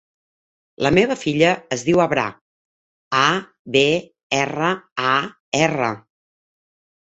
La meva filla es diu Abrar: a, be, erra, a, erra.